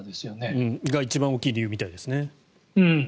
それが一番大きい理由みたいですね。